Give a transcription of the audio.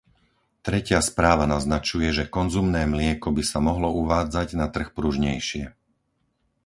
Tretia správa naznačuje, že konzumné mlieko by sa mohlo uvádzať na trh pružnejšie.